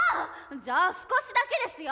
じゃあ少しだけですよ。